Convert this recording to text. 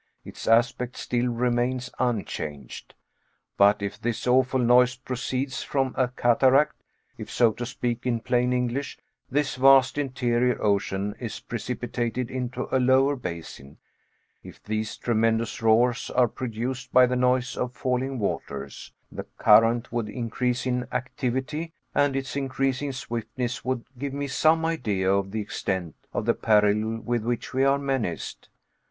Its aspect still remains unchanged. But if this awful noise proceeds from a cataract if, so to speak in plain English, this vast interior ocean is precipitated into a lower basin if these tremendous roars are produced by the noise of falling waters, the current would increase in activity, and its increasing swiftness would give me some idea of the extent of the peril with which we are menaced.